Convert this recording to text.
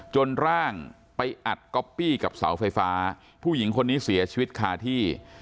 ร่างไปอัดก๊อปปี้กับเสาไฟฟ้าผู้หญิงคนนี้เสียชีวิตคาที่